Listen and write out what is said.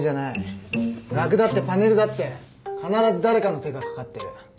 額だってパネルだって必ず誰かの手がかかってる。